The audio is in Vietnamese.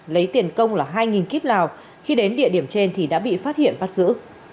lấy tiền công là hai kiếp lào khi đến địa điểm trên thì đã bị phát hiện bắt giữ